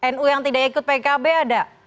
nu yang tidak ikut pkb ada